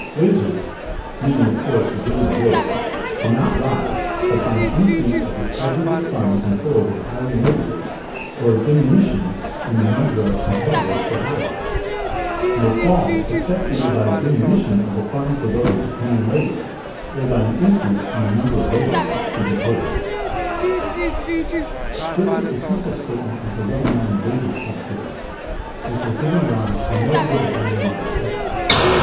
Wages (meaning, of course, the general rate) can not rise, but by an increase of the aggregate funds employed in hiring laborers, or a diminution in the number of the competitors for hire; nor fall, except either by a diminution of the funds devoted to paying labor, or by an increase in the number of laborers to be paid. [Illustration: Pie chart of Fixed Capital, Raw Materials, and Wages Fund.] This is the simple statement of the well known Wages Fund Theory, which has given rise to no little animated discussion.